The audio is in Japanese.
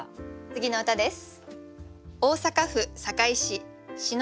次の歌です。